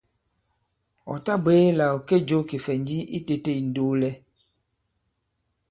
Ɔ̀ tabwě là ɔ̀ kê jo kìfɛ̀nji i tētē ì ndoolɛ.